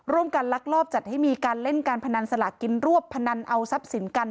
ลักลอบจัดให้มีการเล่นการพนันสลากกินรวบพนันเอาทรัพย์สินกัน